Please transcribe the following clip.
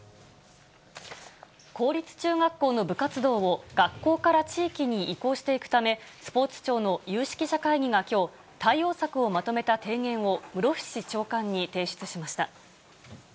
公立中学校の部活動を学校から地域に移行していくため、スポーツ庁の有識者会議がきょう、対応策をまとめた提言を室伏長官に提出しました。